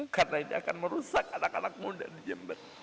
karena ini akan merusak anak anak muda di jember